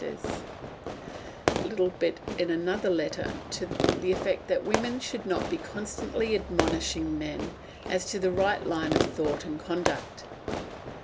There is a funny little bit in another letter to the effect that women should not be constantly admonishing men as to the right line of thought and conduct.